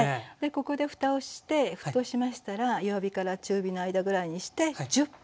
ここでふたをして沸騰しましたら弱火から中火の間ぐらいにして１０分。